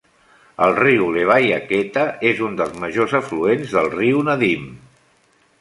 El riu Levaya Khetta és un dels majors afluents del riu Nadym.